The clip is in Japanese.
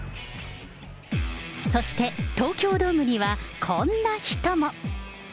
そして、東京ドームにはこんな人も。